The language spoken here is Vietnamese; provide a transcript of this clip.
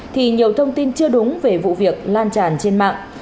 thì nhiều thông tin chưa đúng về vụ việc lan tràn trên mạng